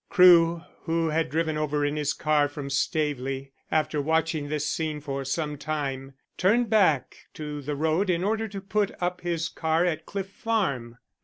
Crewe, who had driven over in his car from Staveley, after watching this scene for some time, turned back to the road in order to put up his car at Cliff Farm.